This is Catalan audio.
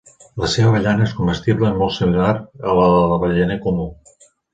La seva avellana és comestible i molt similar a la de l'avellaner comú.